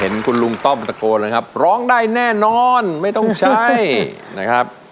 คุณลุงต้อมตะโกนเลยครับร้องได้แน่นอนไม่ต้องใช้นะครับ